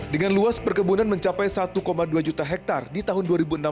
dengan luas perkebunan mencapai satu dua juta hektare di tahun dua ribu enam belas